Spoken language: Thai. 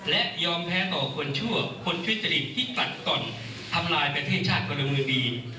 และยอมแพ้ต่อคนชั่วคนทุจริตที่ตัดก่อนทำลายประเทศชาติพลเมืองดี